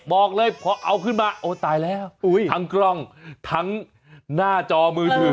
บอกเลยพอเอาขึ้นมาโอ้ตายแล้วทั้งกล้องทั้งหน้าจอมือถือ